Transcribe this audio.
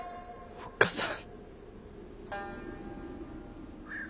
おっかさん。